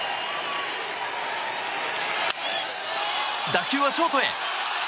打球はショートへ！